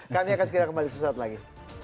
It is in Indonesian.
kami akan segera kembali suatu saat lagi